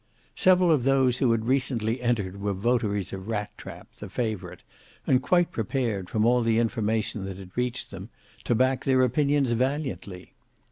Several of those who had recently entered were votaries of Rat trap, the favourite, and quite prepared, from all the information that had reached them, to back their opinions valiantly.